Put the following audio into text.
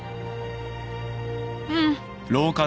うん。